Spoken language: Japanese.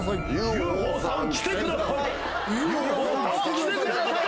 ＵＦＯさん来てください。